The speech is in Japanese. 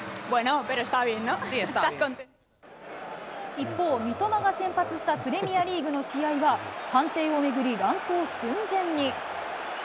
一方、三笘が先発したプレミアリーグの試合は、判定を巡り乱闘寸前に。